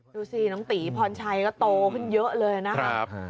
ดูสิน้องตีพรชัยก็โตขึ้นเยอะเลยนะครับ